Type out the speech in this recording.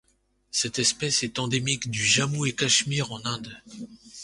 Cette espèce est endémique du Jammu-et-Cachemire en Inde.